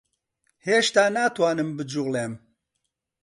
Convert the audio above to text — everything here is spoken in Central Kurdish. هێشتا ناتوانم بجووڵێم.